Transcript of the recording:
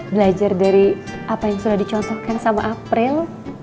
belajar dari apa yang sudah dicontohkan sama april